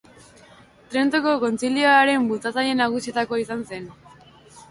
Trentoko Kontzilioaren bultzatzaile nagusietakoa izan zen.